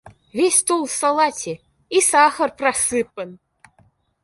Весь стол в салате! и сахар просыпан!